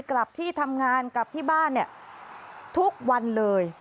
กลับที่ทำงานกลับที่บ้านเนี่ยทุกวันเลย